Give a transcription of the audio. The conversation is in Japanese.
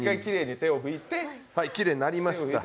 はい、きれいになりました。